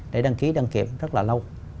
để đăng ký đăng kiểm rất là lâu